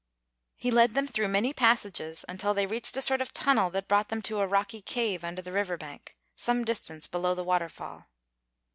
He led them through many passages, until they reached a sort of tunnel that brought them to a rocky cave under the river bank, some distance below the waterfall.